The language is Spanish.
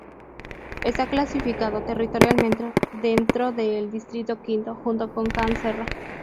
Está clasificado territorialmente dentro del Distrito V, junto con Can Serra.